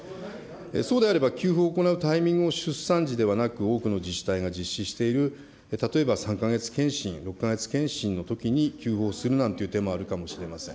そうであれば給付を行うタイミングを出産時ではなく、多くの自治体が実施している、例えば３か月健診、６か月健診のときに給付をするなんていう手もあるかもしれません。